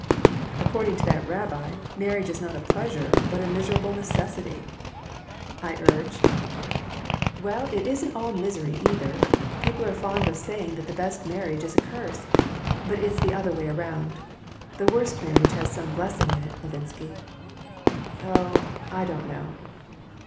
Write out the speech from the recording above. "According to that rabbi, marriage is not a pleasure, but a miserable necessity," I urged "Well, it isn't all misery, either. People are fond of saying that the best marriage is a curse. But it's the other way around. The worst marriage has some blessing in it, Levinsky." "Oh, I don't know."